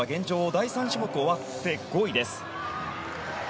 第３種目が終わって５位です。